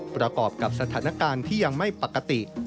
ประกอบกับสถานการณ์ที่ยังไม่ปกติ